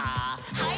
はい。